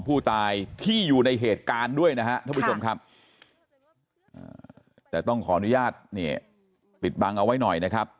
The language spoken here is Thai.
ผู้ตายที่อยู่ในเหตุการณ์ด้วยนะครับแต่ต้องขออนุญาตปิดบังเอาไว้หน่อยนะครับ